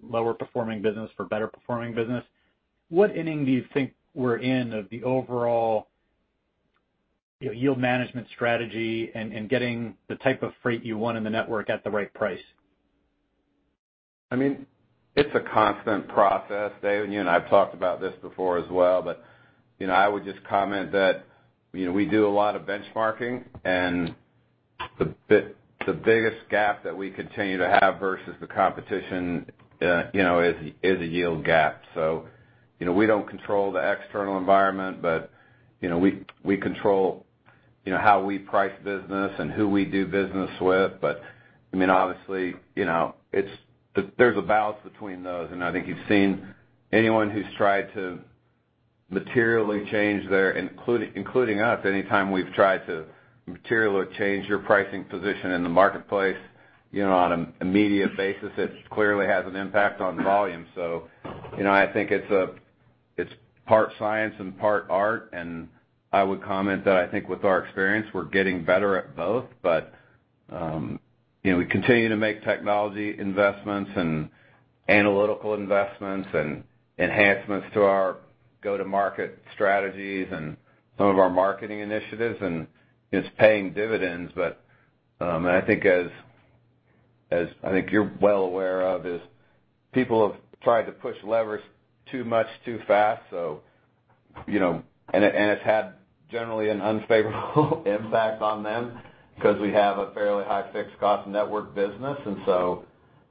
lower performing business for better performing business. What inning do you think we're in of the overall yield management strategy and getting the type of freight you want in the network at the right price? It's a constant process, Dave, and you and I have talked about this before as well, but I would just comment that we do a lot of benchmarking and the biggest gap that we continue to have versus the competition is a yield gap. We don't control the external environment, but we control how we price business and who we do business with. Obviously there's a balance between those, and I think you've seen anyone who's tried to materially change their, including us, anytime we've tried to materially change your pricing position in the marketplace on an immediate basis, it clearly has an impact on volume. I think it's part science and part art, and I would comment that I think with our experience, we're getting better at both. We continue to make technology investments and analytical investments and enhancements to our go-to-market strategies and some of our marketing initiatives, and it's paying dividends. I think as you're well aware of is people have tried to push levers too much, too fast, and it's had generally an unfavorable impact on them because we have a fairly high fixed cost network business.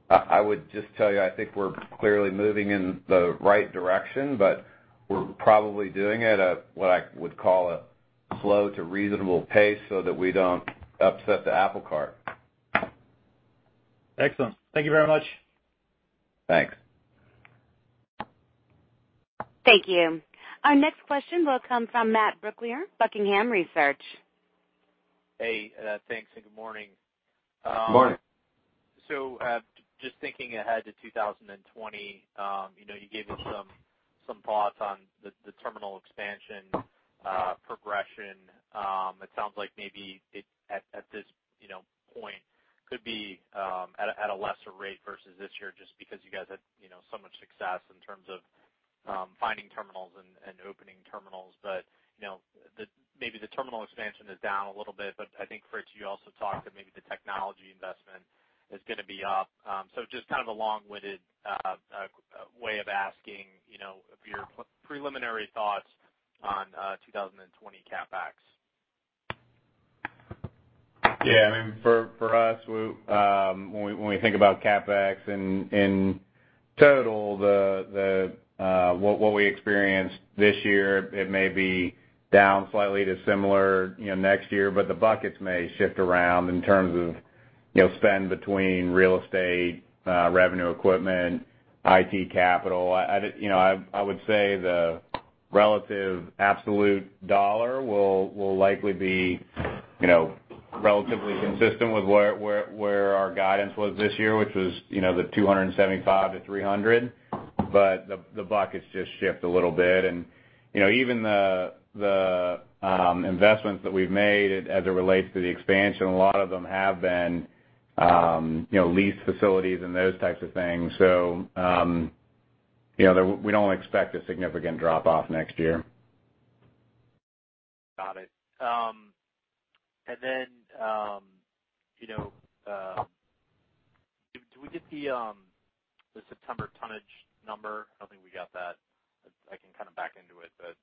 I would just tell you, I think we're clearly moving in the right direction, but we're probably doing it at what I would call a slow to reasonable pace so that we don't upset the apple cart. Excellent. Thank you very much. Thanks. Thank you. Our next question will come from Matthew Brooklier, Buckingham Research. Hey, thanks, and good morning. Good morning. Just thinking ahead to 2020, you gave us some thoughts on the terminal expansion progression. It sounds like maybe at this point could be at a lesser rate versus this year, just because you guys had so much success in terms of finding terminals and opening terminals. Maybe the terminal expansion is down a little bit, but I think, Fritz, you also talked that maybe the technology investment is going to be up. Just kind of a long-winded way of asking for your preliminary thoughts on 2020 CapEx. Yeah. For us, when we think about CapEx in total, what we experienced this year, it may be down slightly to similar next year. The buckets may shift around in terms of spend between real estate, revenue equipment, IT capital. I would say the relative absolute dollar will likely be relatively consistent with where our guidance was this year, which was the $275-$300. The buckets just shift a little bit. Even the investments that we've made as it relates to the expansion, a lot of them have been lease facilities and those types of things. We don't expect a significant drop-off next year. Got it. Did we get the September tonnage number? I don't think we got that. I can kind of back into it, but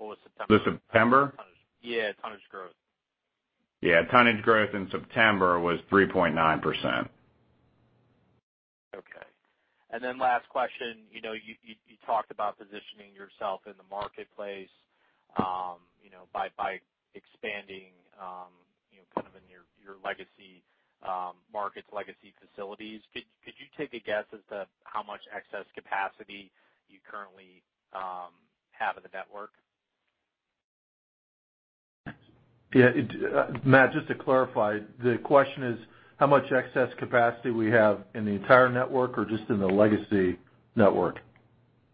what was September tonnage? The September? Yeah. Tonnage growth. Yeah. Tonnage growth in September was 3.9%. Okay. Last question. You talked about positioning yourself in the marketplace by expanding kind of in your legacy markets, legacy facilities. Could you take a guess as to how much excess capacity you currently have in the network? Yeah. Matt, just to clarify, the question is how much excess capacity we have in the entire network or just in the legacy network?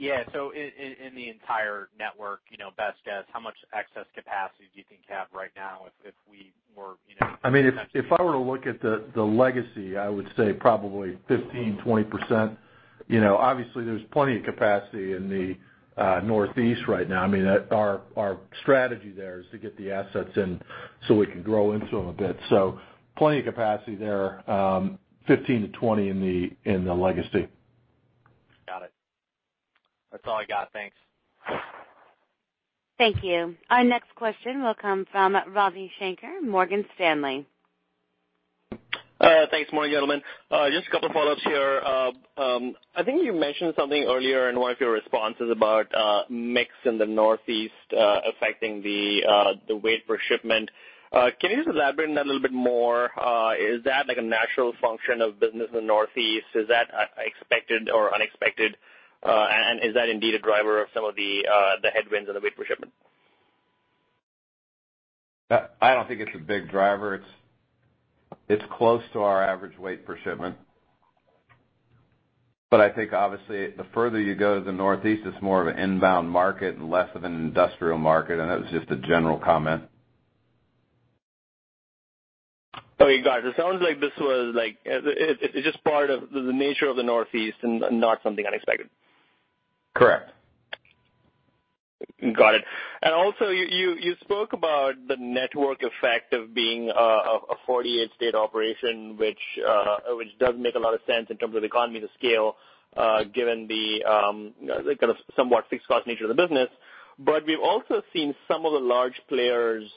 Yeah. In the entire network, best guess, how much excess capacity do you think you have right now if we were- If I were to look at the legacy, I would say probably 15%-20%. Obviously, there's plenty of capacity in the Northeast right now. Our strategy there is to get the assets in so we can grow into them a bit. Plenty of capacity there. 15%-20% in the legacy. Got it. That's all I got. Thanks. Thank you. Our next question will come from Ravi Shanker, Morgan Stanley. Thanks. Morning, gentlemen. Just a couple of follow-ups here. I think you mentioned something earlier in one of your responses about mix in the Northeast affecting the weight per shipment. Can you just elaborate on that a little bit more? Is that like a natural function of business in the Northeast? Is that expected or unexpected? Is that indeed a driver of some of the headwinds on the weight per shipment? I don't think it's a big driver. It's close to our average weight per shipment. I think obviously the further you go to the Northeast, it's more of an inbound market and less of an industrial market, and that was just a general comment. Okay, got it. It sounds like this was just part of the nature of the Northeast and not something unexpected. Correct. Got it. Also, you spoke about the network effect of being a 48-state operation, which does make a lot of sense in terms of economies of scale, given the kind of somewhat fixed cost nature of the business. We've also seen some of the large players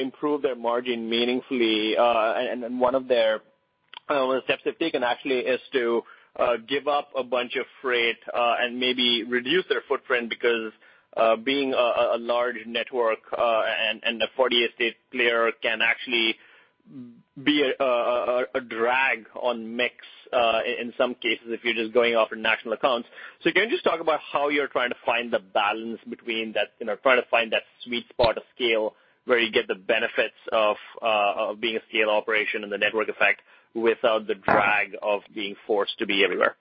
improve their margin meaningfully. One of the steps they've taken actually is to give up a bunch of freight, and maybe reduce their footprint, because being a large network and a 48-state player can actually be a drag on mix, in some cases, if you're just going off of national accounts. Can you just talk about how you're trying to find the balance between that, trying to find that sweet spot of scale where you get the benefits of being a scale operation and the network effect without the drag of being forced to be everywhere?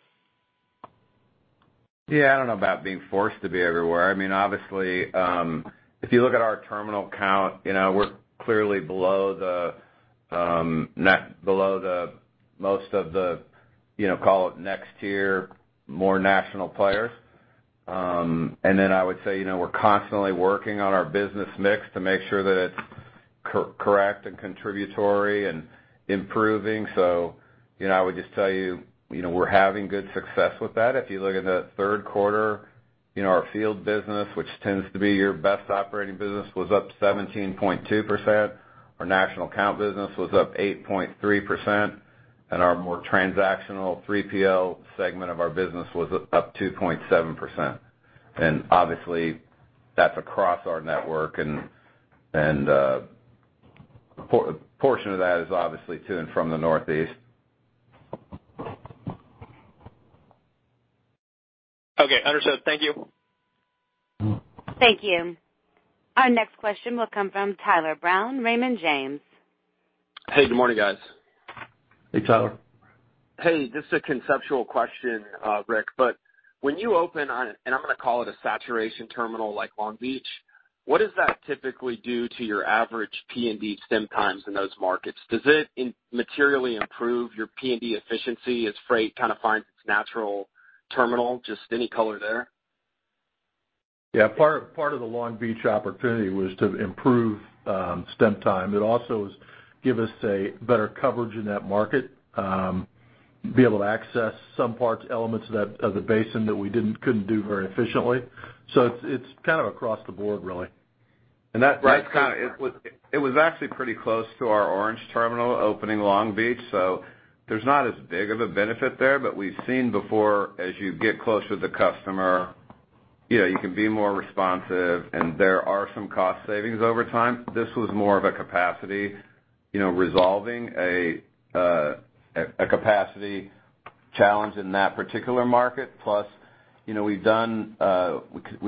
Yeah. I don't know about being forced to be everywhere. Obviously, if you look at our terminal count, we're clearly below the most of the call it next tier, more national players. Then I would say, we're constantly working on our business mix to make sure that it's correct and contributory and improving. I would just tell you, we're having good success with that. If you look at the third quarter, our field business, which tends to be your best operating business, was up 17.2%. Our national account business was up 8.3%, and our more transactional 3PL segment of our business was up 2.7%. Obviously, that's across our network and A portion of that is obviously to and from the Northeast. Okay, understood. Thank you. Thank you. Our next question will come from Tyler Brown, Raymond James. Hey, good morning, guys. Hey, Tyler. Hey, just a conceptual question, Rick. When you open, and I'm going to call it a saturation terminal like Long Beach, what does that typically do to your average P&D stem time in those markets? Does it materially improve your P&D efficiency as freight kind of finds its natural terminal? Just any color there. Yeah. Part of the Long Beach opportunity was to improve stem time. It also give us a better coverage in that market, be able to access some parts, elements of the basin that we couldn't do very efficiently. It's kind of across the board, really. That it was actually pretty close to our Orange terminal opening Long Beach, there's not as big of a benefit there. We've seen before, as you get closer to the customer, you can be more responsive, and there are some cost savings over time. This was more of a capacity, resolving a capacity challenge in that particular market. We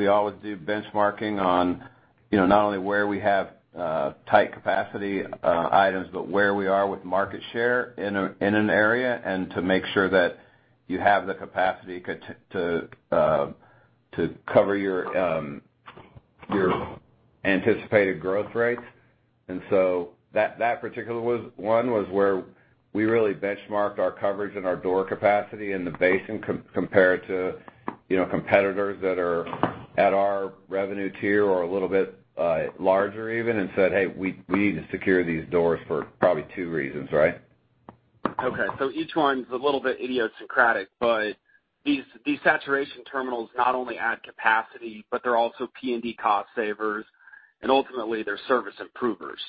always do benchmarking on not only where we have tight capacity items, but where we are with market share in an area, and to make sure that you have the capacity to cover your anticipated growth rates. That particular one was where we really benchmarked our coverage and our door capacity in the basin compared to competitors that are at our revenue tier or a little bit larger even, and said, "Hey, we need to secure these doors for probably two reasons," right? Okay, each one's a little bit idiosyncratic, but these saturation terminals not only add capacity, but they're also P&D cost savers, and ultimately, they're service improvers.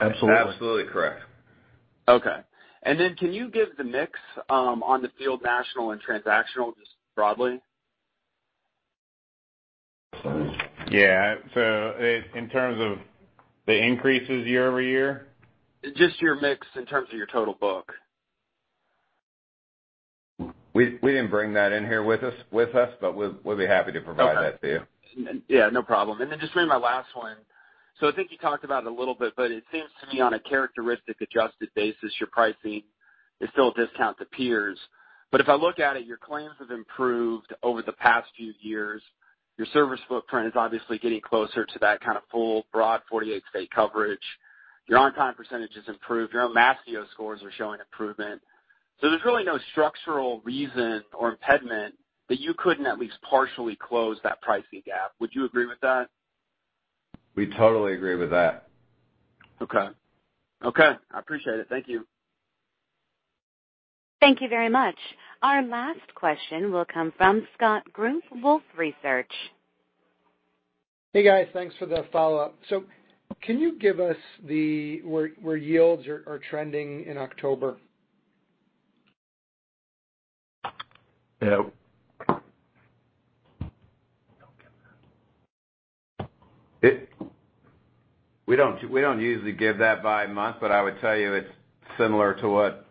Absolutely. Absolutely correct. Okay. Then can you give the mix on the field national and transactional, just broadly? Yeah. In terms of the increases year-over-year? Just your mix in terms of your total book. We didn't bring that in here with us, but we'll be happy to provide that to you. Okay. Yeah, no problem. Just maybe my last one. I think you talked about it a little bit, but it seems to me on a characteristic adjusted basis, your pricing is still a discount to peers. If I look at it, your claims have improved over the past few years. Your service footprint is obviously getting closer to that kind of full broad 48 state coverage. Your on-time % has improved. Your Mastio scores are showing improvement. There's really no structural reason or impediment that you couldn't at least partially close that pricing gap. Would you agree with that? We totally agree with that. Okay. Okay, I appreciate it. Thank you. Thank you very much. Our last question will come from Scott Group, Wolfe Research. Hey, guys, thanks for the follow-up. Can you give us where yields are trending in October? No. We don't usually give that by month, but I would tell you it's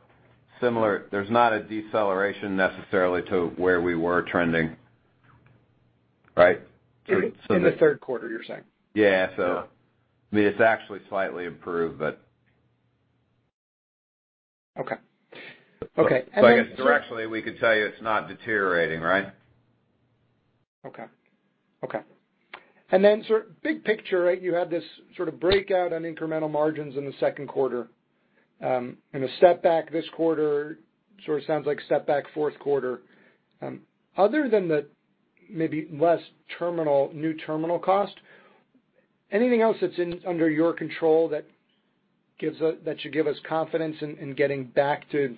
similar. There's not a deceleration necessarily to where we were trending. Right? In the third quarter, you're saying? Yeah. I mean, it's actually slightly improved, but. Okay. Okay. Then. I guess directionally, we could tell you it's not deteriorating, right? Okay. Okay. Then sort of big picture, right? You had this sort of breakout on incremental margins in the second quarter, and a setback this quarter, sort of sounds like setback fourth quarter. Other than the maybe less new terminal cost, anything else that's under your control that should give us confidence in getting back to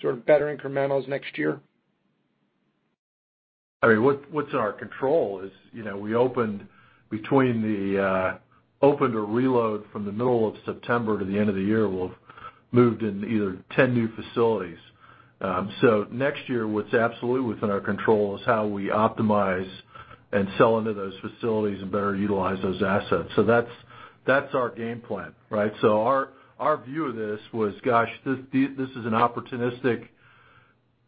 sort of better incrementals next year? I mean, what's in our control is, we opened or reload from the middle of September to the end of the year. We'll have moved in either 10 new facilities. Next year, what's absolutely within our control is how we optimize and sell into those facilities and better utilize those assets. That's our game plan, right? Our view of this was, gosh, this is an opportunistic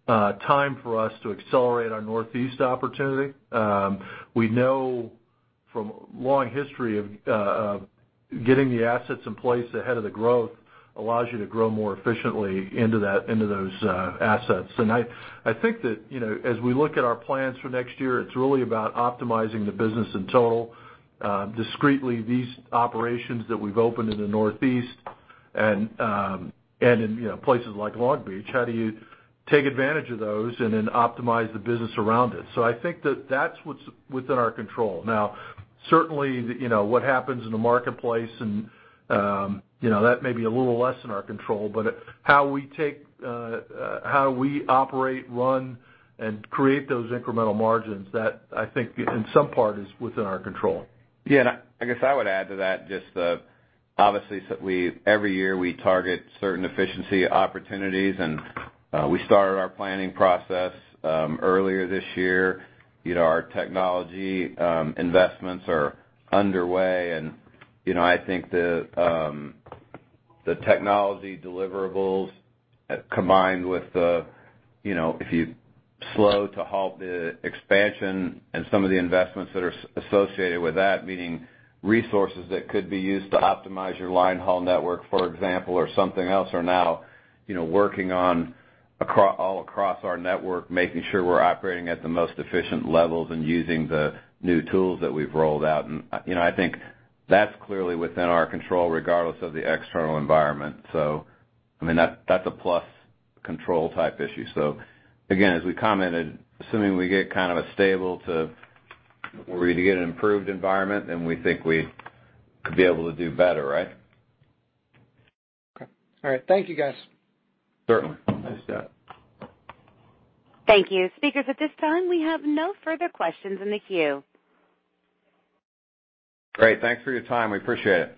time for us to accelerate our Northeast opportunity. We know from long history of getting the assets in place ahead of the growth allows you to grow more efficiently into those assets. I think that as we look at our plans for next year, it's really about optimizing the business in total. Discreetly, these operations that we've opened in the Northeast and in places like Long Beach, how do you take advantage of those and then optimize the business around it? I think that that's what's within our control. Certainly, what happens in the marketplace and that may be a little less in our control, how we operate, run, and create those incremental margins, that I think in some part is within our control. Yeah, I guess I would add to that just, obviously every year we target certain efficiency opportunities, we started our planning process earlier this year. Our technology investments are underway. I think the technology deliverables combined with if you slow to halt the expansion and some of the investments that are associated with that, meaning resources that could be used to optimize your line haul network, for example, or something else, are now working all across our network, making sure we're operating at the most efficient levels and using the new tools that we've rolled out. I think that's clearly within our control, regardless of the external environment. I mean, that's a plus control type issue. Again, as we commented, assuming we get kind of a stable to where you get an improved environment, then we think we could be able to do better, right? Okay. All right. Thank you, guys. Certainly. Thank you. Speakers, at this time, we have no further questions in the queue. Great. Thanks for your time. We appreciate it.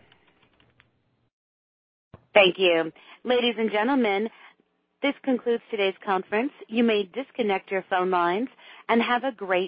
Thank you. Ladies and gentlemen, this concludes today's conference. You may disconnect your phone lines, and have a great day.